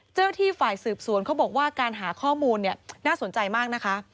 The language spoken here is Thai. ที่ฝ่ายสืบสวนเขาบอกว่าการหาข้อมูลน่าสนใจมากนะคะ